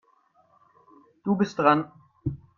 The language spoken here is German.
Du bist dran.